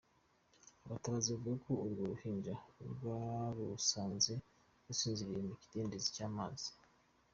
Abatabazi bavuga ko urwo ruhinja barusanze rusinziye mu kindedezi cy’ amazi.